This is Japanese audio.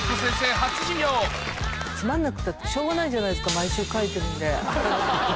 つまんなくたってしょうがないじゃないですか、毎週書いてるんで。